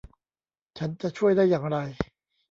ฉันจะช่วยได้อย่างไร